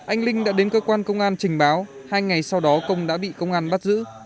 anh linh đã đến cơ quan công an trình báo hai ngày sau đó công đã bị công an bắt giữ